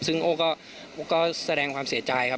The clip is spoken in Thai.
ซึ่งโอ้ก็แสดงความเสียใจครับ